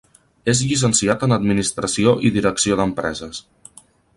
És llicenciat en administració i direcció d'empreses.